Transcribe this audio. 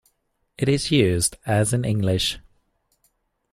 It is used as in English.